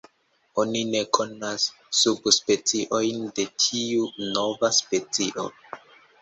Oni ne konas subspeciojn de tiu “nova” specio.